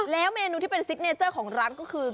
แล้วเมนูที่เป็นซิกเนเจอร์ของร้านก็คือ